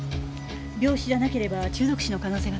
病死じゃなければ中毒死の可能性が高い。